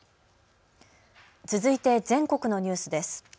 続いて全国のニュースです。